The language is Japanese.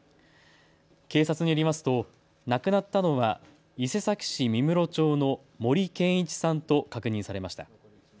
警察によりますと亡くなったのは伊勢崎市三室町の森堅一さんと確認されました。